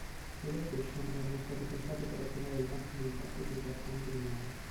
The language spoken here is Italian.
Le location erano state pensate per ottenere il massimo impatto sui passanti ignari.